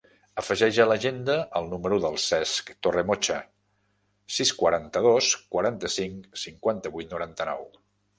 Afegeix a l'agenda el número del Cesc Torremocha: sis, quaranta-dos, quaranta-cinc, cinquanta-vuit, noranta-nou.